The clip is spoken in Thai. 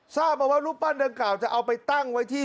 ทราบมาว่ารูปปั้นดังกล่าวจะเอาไปตั้งไว้ที่